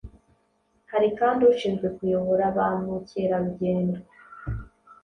Hari kandi ushinzwe kuyobora ba mukerarugendo